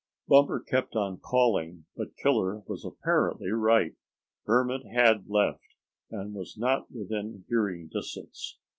Bumper kept on calling, but Killer was apparently right. Hermit had left, and was not within hearing distance.